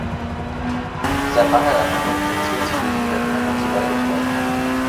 Sein Mangel an Kommunikationsfähigkeiten hat dazu beigetragen.